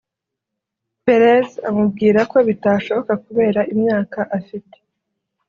Perez amubwira ko bitashoboka kubera imyaka afite